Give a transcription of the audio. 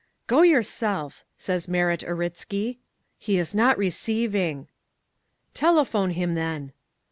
"'Go yourself,' says Marat Uritzky. 'He's not receiving.' "'Telephone him, then.